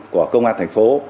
của công an thành phố